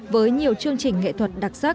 với nhiều chương trình nghệ thuật đặc sắc hấp dẫn